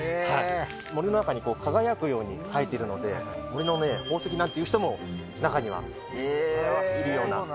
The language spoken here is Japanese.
森の中に輝くように生えているので、森の宝石なんて言う人も中にはいるような。